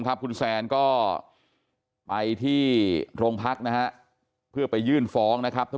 คุณแซนก็ไปที่โรงพักนะฮะเพื่อไปยื่นฟ้องนะครับ